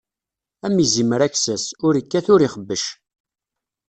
Am izimer aksas, ur ikkat ur ixebbec.